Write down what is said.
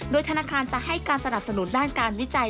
โดยธนาคารจะให้การสนับสนุนด้านการวิจัย